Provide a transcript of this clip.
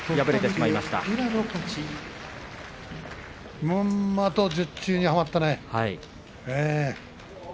まんまと術中にはまったね。